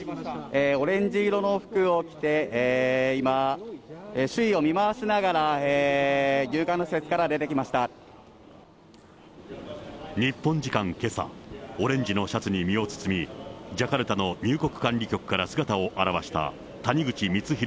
オレンジ色の服を着て、今、周囲を見回しながら、日本時間けさ、オレンジのシャツに身を包み、ジャカルタの入国管理局から姿を現した谷口光弘